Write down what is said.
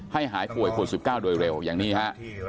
ให้หายป่วยโคลด๑๙โดยเร็วอย่างนี้ครับ